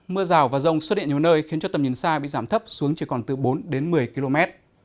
mưa rào và rông xuất hiện nhiều nơi khiến cho tầm nhìn xa bị giảm thấp xuống chỉ còn từ bốn đến một mươi km